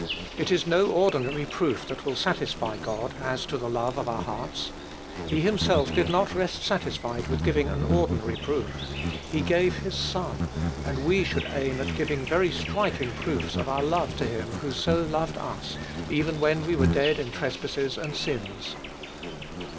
It is no ordinary proof that will satisfy God, as to the love of our hearts. He himself did not rest satisfied with giving an ordinary proof. He gave his Son, and we should aim at giving very striking proofs of our love to him who so loved us, even when we were dead in trespasses and sins.